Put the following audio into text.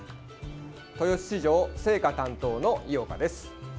豊洲市場、青果担当の井岡です。